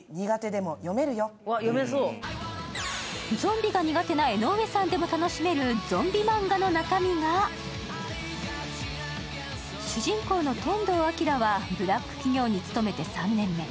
ゾンビが苦手な江上さんでも楽しめる、ゾンビマンガの中身が主人公の天道輝は、ブラック企業に務めて３年目。